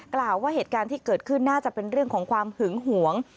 กล่าวว่าเหตุการณ์ที่เกิดขึ้นน่าจะเป็นเรื่องของความหึงหวง